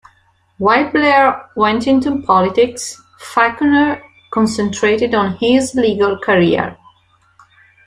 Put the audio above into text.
While Blair went into politics, Falconer concentrated on his legal career.